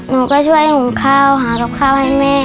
หนูก็ช่วยหุงข้าวหากับข้าวให้แม่